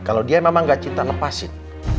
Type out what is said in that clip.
kalau dia memang gak cinta lepasin